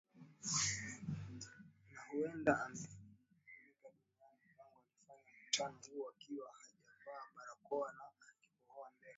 na huenda amefariki dunia Mpango alifanya mkutano huo akiwa hajavaa barakoa na akikohoa mbele